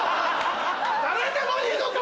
誰でもいいのか！